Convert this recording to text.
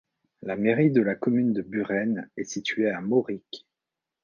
La mairie de la commune de Buren est située à Maurik.